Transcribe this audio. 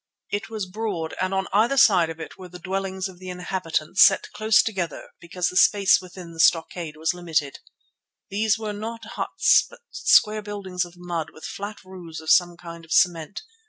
It was broad and on either side of it were the dwellings of the inhabitants set close together because the space within the stockade was limited. These were not huts but square buildings of mud with flat roofs of some kind of cement.